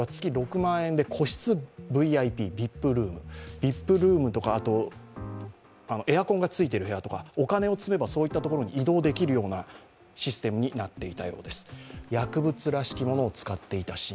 ＶＩＰルームとかエアコンがついている部屋とかお金を積めば、そういったところに移動できるようなシステムになっていたようです。